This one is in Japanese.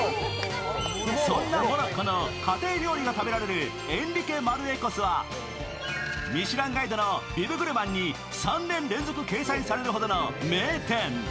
そんなモロッコの家庭料理が食べられるエンリケマルエコスはミシュランガイドのビブグルマンに３年連続掲載されるほどの名店。